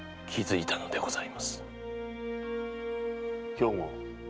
兵庫